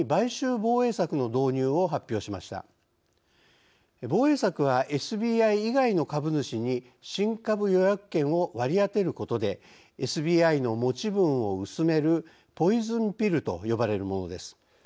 防衛策は、ＳＢＩ以外の株主に新株予約権を割り当てることでＳＢＩの持ち分を薄める「ポイズンピル」と呼ばれるものです。